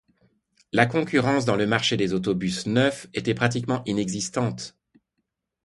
La concurrence dans le marché des autobus neufs était pratiquement inexistante.